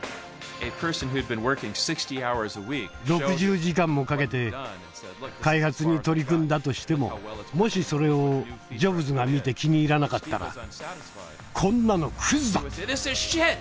６０時間もかけて開発に取り組んだとしてももしそれをジョブズが見て気に入らなかったら「こんなのクズだ！」